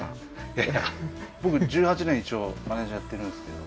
いやいや僕１８年一応マネージャーやってるんですけど。